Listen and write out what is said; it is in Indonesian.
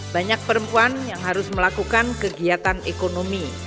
banyak perempuan yang harus melakukan kegiatan ekonomi